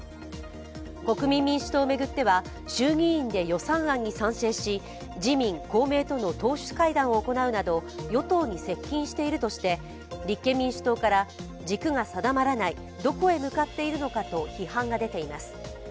国民民主党を巡っては衆議院で予算案に賛成し自民・公明との党首会談を行うなど与党に接近しているとして立憲民主党から軸が定まらない、どこへ向かっているのかと批判が出ています。